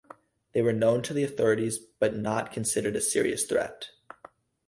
They were known to the authorities but not considered a serious threat.